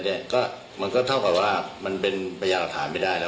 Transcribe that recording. เนี่ยก็มันก็เท่ากับว่ามันเป็นพยาหลักฐานไม่ได้แล้ว